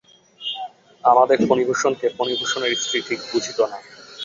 আমাদের ফণিভূষণকে ফণিভূষণের স্ত্রী ঠিক বুঝিত না।